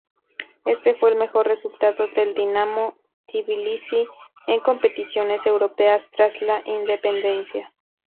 Este fue el mejor resultado del Dinamo Tbilisi en competiciones europeas tras la independencia.